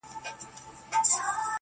سړي وویل قسم دی چي مسکین یم؛